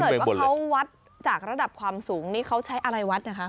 ว่าเขาวัดจากระดับความสูงนี่เขาใช้อะไรวัดนะคะ